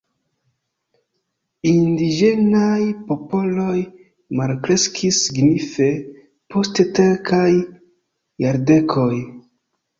Indiĝenaj popoloj malkreskis signife post kelkaj jardekoj.